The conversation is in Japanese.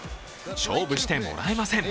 勝負してもらえません。